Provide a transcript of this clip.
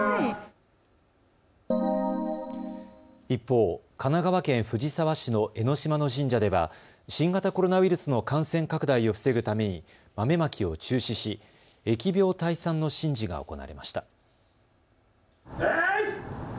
一方、神奈川県藤沢市の江の島の神社では、新型コロナウイルスの感染拡大を防ぐために豆まきを中止し疫病退散の神事が行われました。